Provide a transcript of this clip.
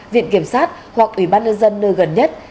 viện kiểm sát hoặc ủy ban nhân dân nơi gần nhất